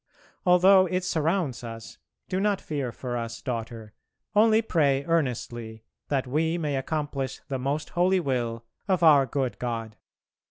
Although it surrounds us do not fear for us, daughter, only pray earnestly that we may accomplish the most holy will of our good God.